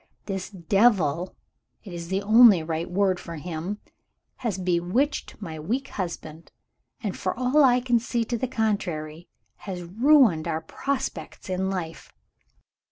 This devil it is the only right word for him has bewitched my weak husband; and, for all I can see to the contrary, has ruined our prospects in life.